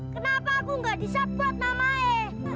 kenapa aku nggak disupport nama e